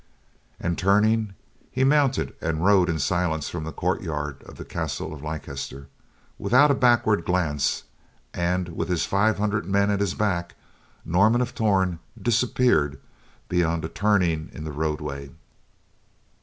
And turning, he mounted and rode in silence from the courtyard of the castle of Leicester. Without a backward glance, and with his five hundred men at his back, Norman of Torn disappeared beyond a turning in the roadway.